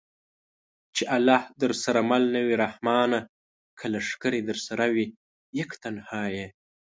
چې الله درسره مل نه وي رحمانه! که لښکرې درسره وي یک تنها یې